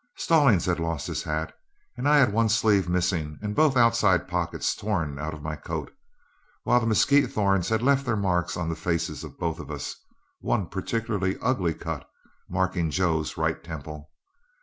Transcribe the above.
Stallings had lost his hat, and I had one sleeve missing and both outside pockets torn out of my coat, while the mesquite thorns had left their marks on the faces of both of us, one particularly ugly cut marking Joe's right temple.